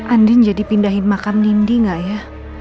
andin jadi pindahin makan nindi gak ya